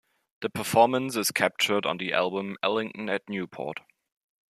The performance is captured on the album "Ellington at Newport".